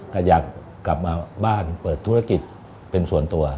ก็อยากกลับมาบ้านเปิดธุรกิจเป็นส่วนตัว